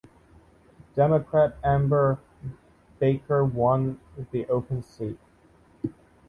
Democrat Amber Baker won the open seat.